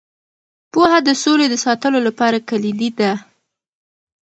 پوهه د سولې د ساتلو لپاره کلیدي ده.